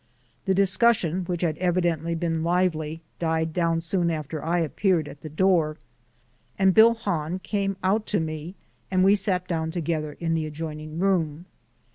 The discussion, which had evidently been lively, died down soon after I appeared at the door, and Bill Hahn came out to me and we sat down together in the adjoining room.